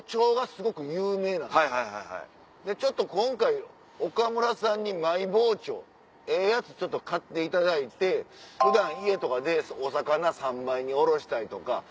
今回岡村さんにマイ包丁ええやつ買っていただいて普段家でお魚三枚におろしたりとか。